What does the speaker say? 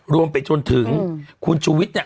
รวมไปจนถึงคุณชูวิส